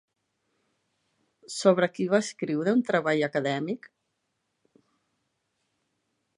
Sobre qui va escriure un treball acadèmic?